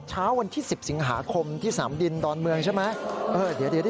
เช้าวันที่๑๐สิงหาคมที่สนามบินดอนเมืองใช่ไหม